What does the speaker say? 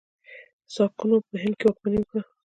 ساکانو په هند کې واکمني وکړه.